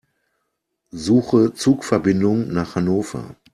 Suche Zugverbindungen nach Hannover.